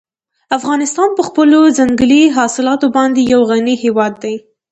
افغانستان په خپلو ځنګلي حاصلاتو باندې یو غني هېواد دی.